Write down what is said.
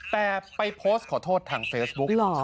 แต่ไปโพสต์ขอโทษทางเฟซบุ๊ก